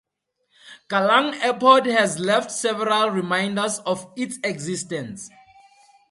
Kallang Airport has left several reminders of its existence.